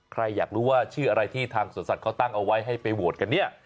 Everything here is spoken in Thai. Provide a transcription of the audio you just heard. ใครอยากรู้ว่าชื่ออะไรที่ทางสวนสัตว์เขาตั้งเอาไว้ให้ไปโหวตกันเนี่ย